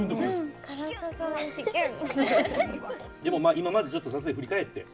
今までちょっと撮影振り返って。